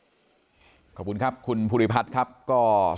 พร้อมด้วยผลตำรวจเอกนรัฐสวิตนันอธิบดีกรมราชทัน